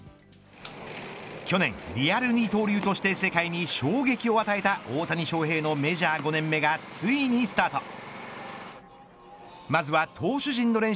去年、リアル二刀流として世界に衝撃を与えた大谷翔平のメジャー５年目がついにスタート。